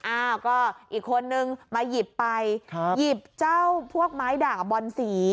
อ้าวก็อีกคนนึงมาหยิบไปหยิบเจ้าพวกไม้ด่างบอนสี